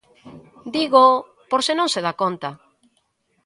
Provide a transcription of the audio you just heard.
Dígoo por se non se dá conta.